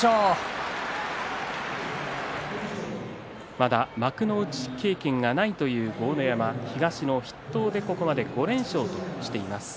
まだ幕内経験がないという豪ノ山、東の筆頭でここまで５連勝としています。